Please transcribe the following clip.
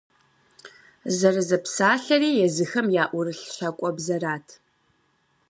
Зэрызэпсалъэри езыхэм яӀурылъ щакӀуэбзэрат.